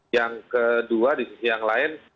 yang kedua di sisi yang lain